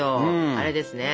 あれですね。